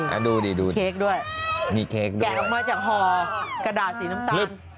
เอ้านี่เค้กด้วยแกะออกมาจากห่อกระดาษสีน้ำตาล